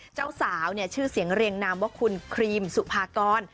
เจ้าสาวเนี่ยชื่อเสียงเรียงนามว่าคุณครีมสุภากร